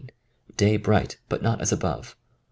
Day bright, but not as above.